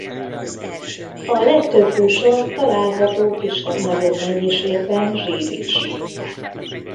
A legtöbb húson található kisebb-nagyobb mennyiségben zsír is.